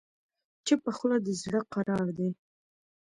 چپه خوله، د زړه قرار دی.